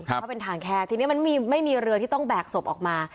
เพราะเป็นทางแคบทีนี้มันไม่มีเรือที่ต้องแบกศพออกมา